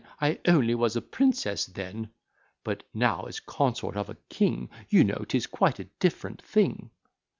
I only was a princess then; But now, as consort of a king, You know, 'tis quite a different thing."